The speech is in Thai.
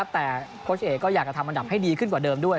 แต่โค้ชเอกก็อยากจะทำอันดับให้ดีขึ้นกว่าเดิมด้วย